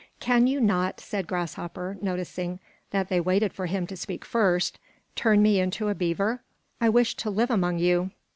"Can you not," said Grasshopper, noticing that they waited for him to speak first, "turn me into a beaver? I wish to live among you."